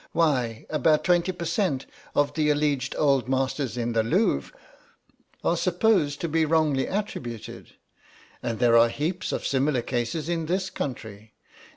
Why, about twenty per cent. of the alleged Old Masters in the Louvre are supposed to be wrongly attributed. And there are heaps of similar cases in this country.